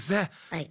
はい。